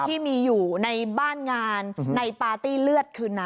ที่มีอยู่ในบ้านงานในปาร์ตี้เลือดคืนนั้น